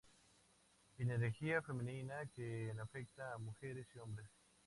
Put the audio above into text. En energía femenina que afecta a mujeres y hombres.